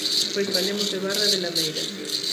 Pois falemos de barro e de lameiras.